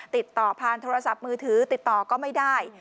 ติดต่อผ่านโทรศัพท์มือถือติดต่อก็ไม่ได้